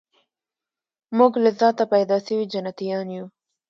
موږ له ذاته پیدا سوي جنتیان یو